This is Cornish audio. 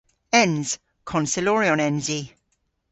Ens. Konseloryon ens i.